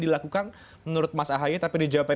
dilakukan menurut mas ahaye tapi dijawabkan